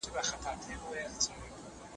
صنعت انکشاف نه دی کړی.